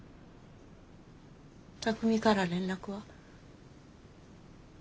巧海から連絡は？